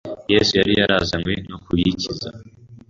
Yesu yari yarazanywe no kuyikiza,